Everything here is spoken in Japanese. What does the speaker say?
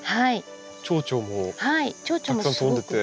チョウチョウもたくさん飛んでて。